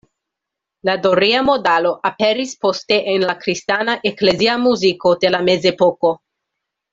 La doria modalo aperis poste en la kristana eklezia muziko de la mezepoko.